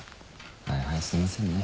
はいはいすいませんね。